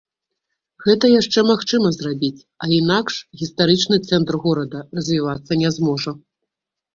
Гэта яшчэ магчыма зрабіць, а інакш гістарычны цэнтр горада развівацца не зможа.